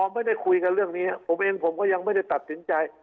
ไม่ได้คุยกันเรื่องนี้ผมเองผมก็ยังไม่ได้ตัดสินใจ